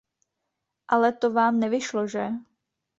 Ale to vám nevyšlo, že?